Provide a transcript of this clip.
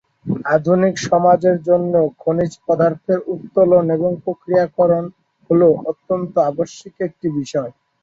আধুনিক সমাজের জন্য খনিজ পদার্থের উত্তোলন এবং এর প্রক্রিয়াকরণ হল অত্যন্ত আবশ্যিক একটি বিষয়।